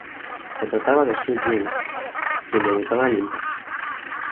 Se trataba de Su Yung, quien debutaba en Impact.